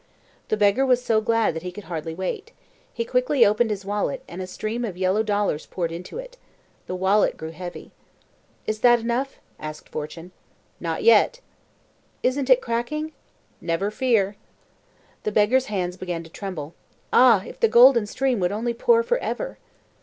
The beggar was so glad that he could hardly wait. He quickly opened his wallet, and a stream of yellow dollars poured into it. The wallet grew heavy. "Is that enough?" asked Fortune. "Not yet." "Isn't it cracking?" "Never fear." The beggar's hands began to tremble. Ah, if the golden stream would only pour for ever!